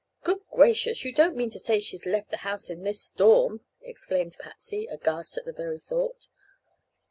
"Good gracious! you don't mean to say she's left the house in this storm?" exclaimed Patsy, aghast at the very thought.